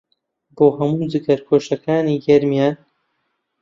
بۆ هەموو جگەرگۆشەکانی گەرمیان